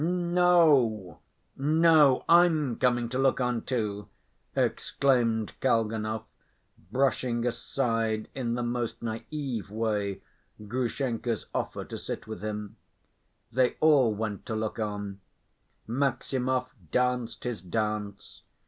"No, no, I'm coming to look on, too," exclaimed Kalganov, brushing aside in the most naïve way Grushenka's offer to sit with him. They all went to look on. Maximov danced his dance.